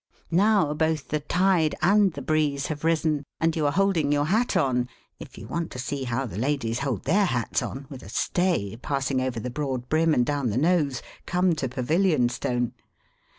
Now, both the tide and the breeze have risen, and you are holding your hat on (if you want to see how the ladies hold their hats on, with a stay, passing over the broad brim and down the nose, come to Pavilionstone).